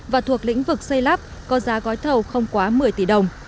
và thuộc lĩnh vực xây lắp có giá gói thầu không quá một mươi tỷ đồng